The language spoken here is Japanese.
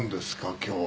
今日は。